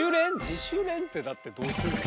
自主練ってだってどうすんの？